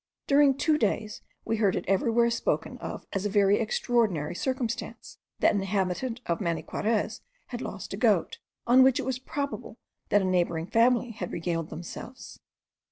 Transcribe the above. During two days we heard it everywhere spoken of as a very extraordinary circumstance, that an inhabitant of Maniquarez had lost a goat, on which it was probable that a neighbouring family had regaled themselves.